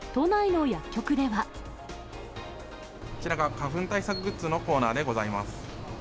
こちらが花粉対策グッズのコーナーでございます。